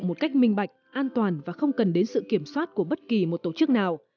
một cách minh bạch an toàn và không cần đến sự kiểm soát của bất kỳ một tổ chức nào